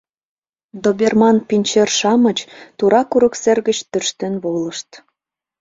Доберман-пинчер-шамыч тура курык сер гыч тӧрштен волышт.